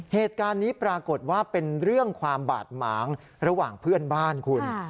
เหตุการณ์นี้ปรากฏว่าเป็นเรื่องความบาดหมางระหว่างเพื่อนบ้านคุณ